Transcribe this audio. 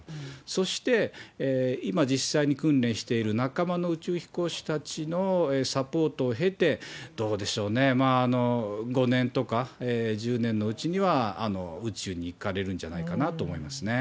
そして、今、実際に訓練している仲間の宇宙飛行士たちのサポートを経て、どうでしょうね、５年とか１０年のうちには宇宙に行かれるんじゃないかと思います